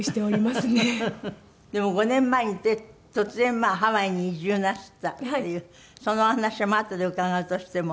でも５年前に突然ハワイに移住なすったっていうそのお話はあとで伺うとしても。